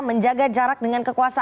menjaga jarak dengan kekuatan